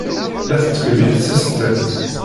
La tettkemmil tsestant.